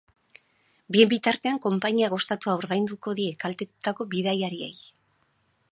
Bien bitartean, konpainiak ostatua ordainduko die kaltetutako bidaiariei.